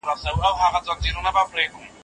نن دې بيا وخت د مېلو دى د زانګو دې چغهار